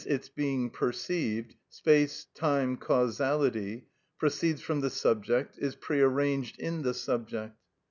_, its being perceived (space, time, causality), proceeds from the subject, is pre arranged in the subject.